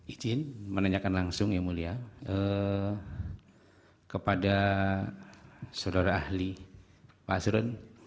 izin menanyakan langsung yang mulia kepada saudara ahli pak asrun